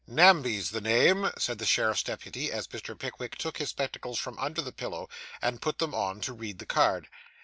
'Namby's the name,' said the sheriff's deputy, as Mr. Pickwick took his spectacles from under the pillow, and put them on, to read the card.